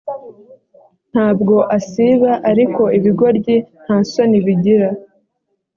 ntabwo asiba ariko ibigoryi nta soni bigira